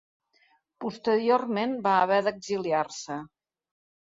Posteriorment va haver d'exiliar-se.